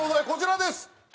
こちらです。